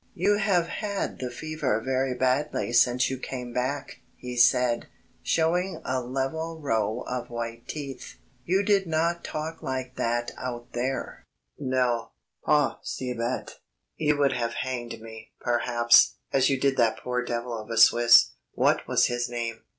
"You have had the fever very badly since you came back," he said, showing a level row of white teeth. "You did not talk like that out there." "No pas si bête you would have hanged me, perhaps, as you did that poor devil of a Swiss. What was his name?